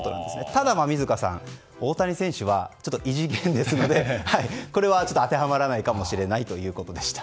ただ、馬見塚さん大谷選手は別格なのでこれは当てはまらないかもしれないということでした。